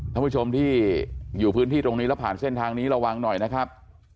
ท่านผู้ชมที่อยู่พื้นที่ตรงนี้แล้วผ่านเส้นทางนี้ระวังหน่อยนะครับ